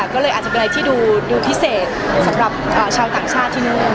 ก็เลยอาจจะเป็นอะไรที่ดูพิเศษสำหรับชาวต่างชาติที่นู่น